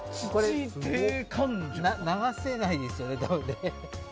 流せないですよね、これ。